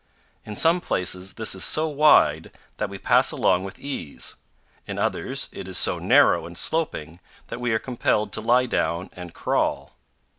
In some places this is so wide that we pass along with ease; in others it is so narrow and sloping that we are compelled to lie down and crawl.